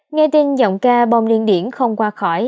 nghe tin giọng ca bồng niên điển không qua khỏi